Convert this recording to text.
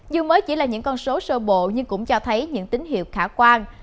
dù mới chỉ là những con số sơ bộ nhưng cũng cho thấy những tín hiệu khả quan